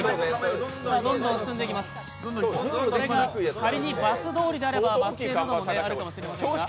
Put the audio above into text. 仮にバス通りであればバス停などもあるかもしれません。